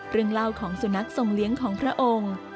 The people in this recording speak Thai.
เรื่องเล่าของสุนัขทรงเลี้ยงของพระองค์